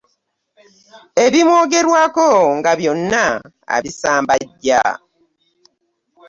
Ebimwogerwako nga byonna abisambajja.